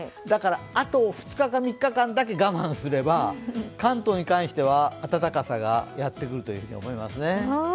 だからあと２日か３日だけ我慢すれば、関東に関しては暖かさがやってくると思いますね。